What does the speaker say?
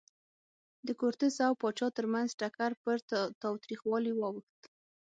د کورتس او پاچا ترمنځ ټکر پر تاوتریخوالي واوښت.